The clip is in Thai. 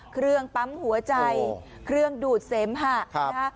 เครื่องปั๊มหัวใจเครื่องดูดเสมหะนะคะ